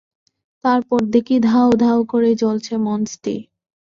তারপর দেখি দাউ দাউ করে জ্বলছে মঞ্চটি।